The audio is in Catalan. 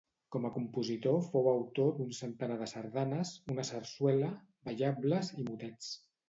Com a compositor fou autor d'un centenar de sardanes, una sarsuela, ballables i motets.